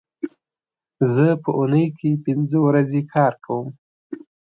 زه په اونۍ کې پینځه ورځې کار کوم